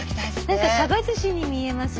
何かサバずしに見えますね。